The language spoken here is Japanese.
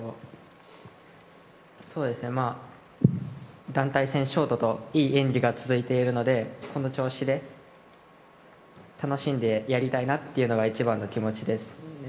そうですね、まあ、団体戦、ショートと、いい演技が続いているので、この調子で楽しんでやりたいなっていうのが一番の気持ちです。